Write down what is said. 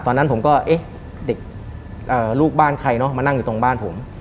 ตอนนั้นผมก็ลูกบ้านใครมานั่งอยู่ตรงบ้านผม